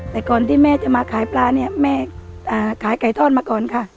แต่ก่อนที่แม่จะมาขายปลาเนี่ยแม่ขายไก่ทอดมาก่อนค่ะ